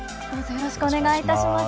よろしくお願いします。